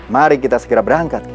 mari kita segera berangkat